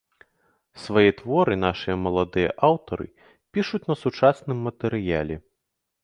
Свае творы нашы маладыя аўтары пішуць на сучасным матэрыяле.